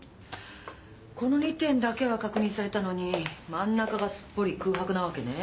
この２点だけは確認されたのに真ん中がすっぽり空白なわけね？